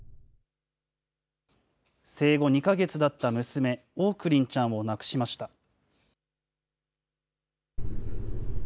生後２か月だった娘、オークリンちゃんを亡くしました。